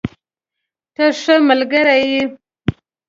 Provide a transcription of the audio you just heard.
ته ښه ملګری یې.